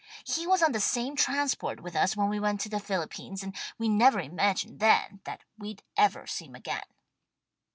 He was on the same transport with us when we went to the Philippines, and we never imagined then that we'd ever see him again."